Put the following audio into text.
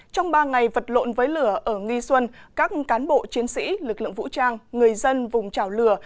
trong ba ngày vật lộn với lửa ở nghi xuân các cán bộ chiến sĩ lực lượng vũ trang người dân vùng trào lửa